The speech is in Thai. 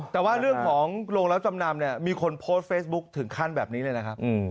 แต่ว่าเรื่องของโรงรับจำนำเนี่ยมีคนโพสต์เฟซบุ๊คถึงขั้นแบบนี้เลยนะครับ